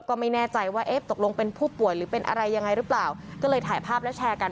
ก็ไม่แน่ใจว่าเอ๊ะตกลงเป็นผู้ป่วยหรือเป็นอะไรยังไงหรือเปล่าก็เลยถ่ายภาพแล้วแชร์กัน